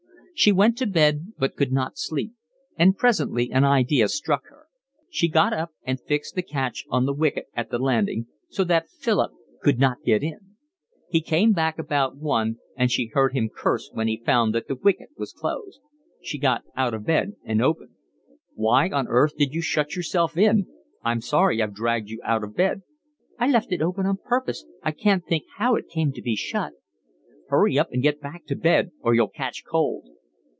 She went to bed, but could not sleep, and presently an idea struck her; she got up and fixed the catch on the wicket at the landing, so that Philip could not get in. He came back about one, and she heard him curse when he found that the wicket was closed. She got out of bed and opened. "Why on earth did you shut yourself in? I'm sorry I've dragged you out of bed." "I left it open on purpose, I can't think how it came to be shut." "Hurry up and get back to bed, or you'll catch cold."